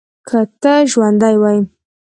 که ته ژوندی وای.